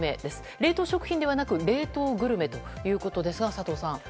冷凍食品ではなく冷凍グルメということですが佐藤さん。